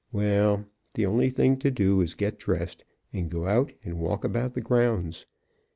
Well, the only thing to do is get dressed and go out and walk about the grounds.